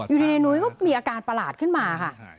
อยู่ในนุ้ยก็มีอาการประหลาดขึ้นมาค่ะ